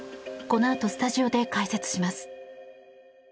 このあとスタジオで解説します。